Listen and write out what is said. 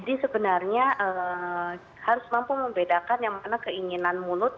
jadi sebenarnya harus mampu membedakan yang mana keinginan mulut